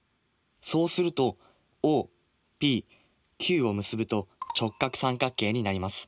そうするとＯＰＱを結ぶと直角三角形になります。